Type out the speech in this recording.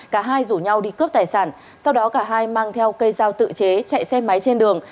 cả hai rủ nhau đi cướp tài sản sau đó cả hai mang theo cây dao tự chế chạy xe máy trên đường